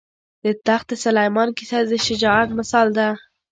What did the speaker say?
د تخت سلیمان کیسه د شجاعت مثال ده.